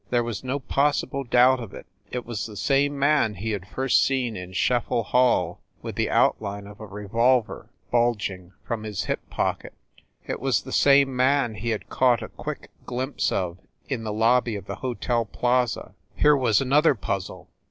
There was no possible doubt of it; it was the same man he had first seen in Schef fel Hall with the outline of a revolver bulging from his hip pocket it was the same man he had caught a quick glimpse of in the lobby of the Hotel Plaza. Here was another puzzle